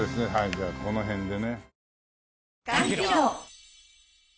じゃあこの辺でね。